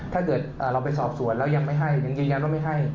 ถ้าเกิดเราไปสอบสวนแล้วยังไม่ให้ยังยืนยันว่าไม่ให้